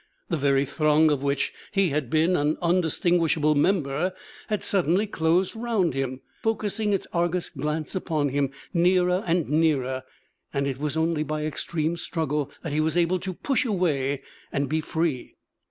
The very throng of which he had been an undistinguishable member had suddenly closed round him, focusing its Argus glance upon him, nearer and nearer, and it was only by extreme struggle that he was able to push away and be free.